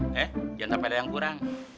eh jangan sampai ada yang kurang